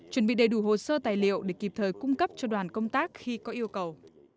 chuẩn bị đầy đủ hồ sơ tài liệu để kịp thời cung cấp cho đoàn công tác khi có yêu cầu